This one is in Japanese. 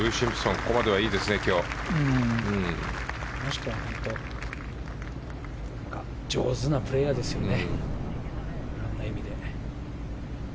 この人は上手なプレーヤーですよね。